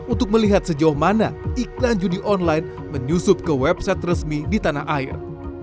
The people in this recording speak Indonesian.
untuk melihat sejauh mana iklan judi online menyusup ke website resmi di tanah air